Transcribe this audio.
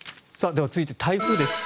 では、続いて台風です。